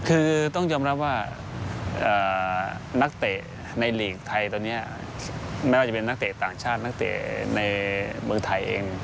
คือต้องยอมรับว่านักเตะในลีกไทยตอนนี้ไม่ว่าจะเป็นนักเตะต่างชาตินักเตะในเมืองไทยเอง